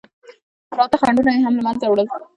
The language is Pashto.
پراته خنډونه یې هم له منځه وړل.